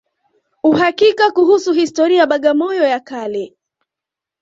Uhakika kuhusu historia ya Bagamoyo ya kale